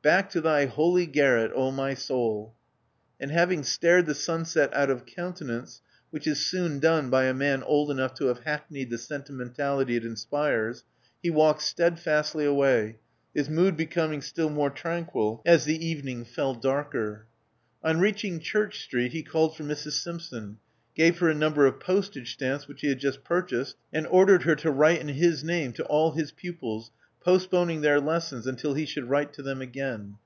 Back to thy holy garret, oh my soul!" And having stared the sunset out of countenance, which is soon done by a man old enough to have hackneyed the sentimentality it inspires, he walked steadfastly away, his mood becoming still more tranquil as the evening fell darker. On reaching Church Street, he called for Mrs. Simpson ; gave her a number of postage stamps which he had just purchased; and ordered her to write in his name to all his pupils postponing their lessons until he should write to them again.